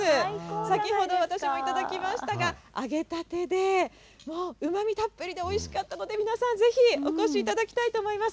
先ほど、私も頂きましたが、揚げたてで、うまみたっぷりでおいしかったので、皆さん、ぜひお越しいただきたいと思います。